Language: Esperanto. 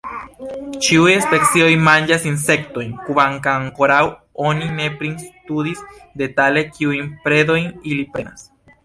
Ĉiuj specioj manĝas insektojn, kvankam ankoraŭ oni ne pristudis detale kiujn predojn ili prenas.